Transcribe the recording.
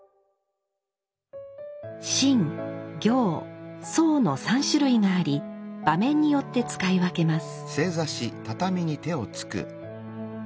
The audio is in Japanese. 「真」「行」「草」の３種類があり場面によって使い分けます。